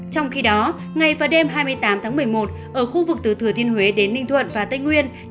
trong khi đó ngày và đêm hai mươi tám tháng một mươi một ở khu vực từ thừa thiên huế đến ninh thuận và tây nguyên